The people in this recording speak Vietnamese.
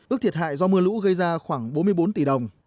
ước thiệt hại do mưa lũ gây ra khoảng bốn mươi bốn tỷ đồng